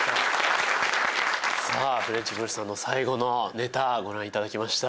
さぁフレンチぶるさんの最後のネタご覧いただきました。